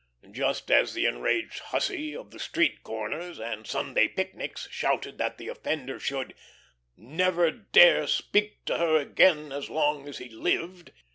Just as the enraged hussy of the street corners and Sunday picnics shouted that the offender should "never dare speak to her again as long as he lived."